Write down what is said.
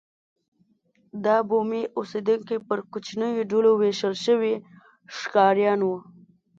دا بومي اوسېدونکي پر کوچنیو ډلو وېشل شوي ښکاریان وو.